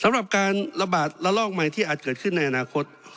สำหรับการระบาดระลอกใหม่ที่อาจเกิดขึ้นในอนาคต